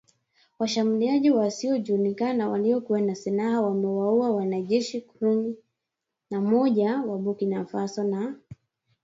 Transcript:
Washambuliaji wasiojulikana waliokuwa na silaha wamewaua wanajeshi klumi na moja wa Burkina Faso na